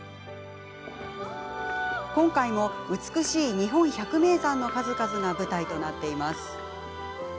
今回も美しい日本百名山の数々が舞台となっています。